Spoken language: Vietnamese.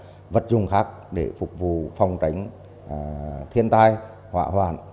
hoặc các vật dùng khác để phục vụ phòng tránh thiên tai họa hoạn